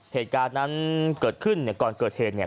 เหตุการณ์นั้นเกิดขึ้นเนี่ยก่อนเกิดเหตุเนี่ย